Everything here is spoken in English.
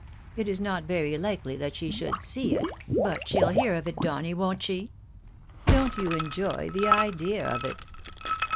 It is not very likely that she should see it, but she'U hear of it, Donny, won't she? Don't you enjoy the idea of it?"